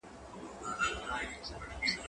کار د ډلې لخوا ترسره کېږي؟